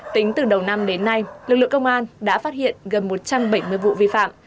tính từ đầu năm đến nay lực lượng công an đã phát hiện gần một trăm bảy mươi vụ vi phạm